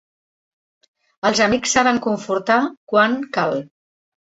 Els amics saben confortar quan cal.